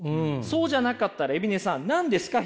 そうじゃなかったら海老根さん何ですか？